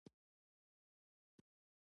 پسرلی د افغان ماشومانو د لوبو موضوع ده.